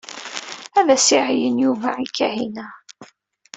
Ad as-iɛeyyen Yuba i Kahina.